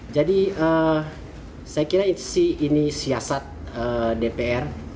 jadi saya kira ini siasat dpr